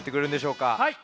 はい。